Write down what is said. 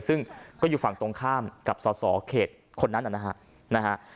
ซึ่งก็อยู่ฝั่งตรงข้ามกับสอสอเขตคนนั้นนะฮะ